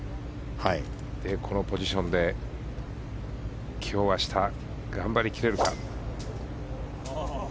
このポジションで今日、明日、頑張りきれるか。